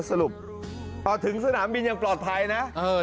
สรุปพอถึงสนามบินยังปลอดภัยนะ